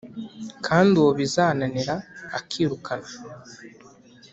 kandi uwo bizananira akirukanwa